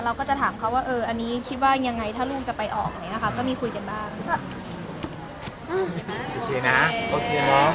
เราก็จะถามเขาว่าอันนี้คิดว่ายังไงถ้าลูกจะไปออกไหนนะครับก็มีคุยกันบ้าง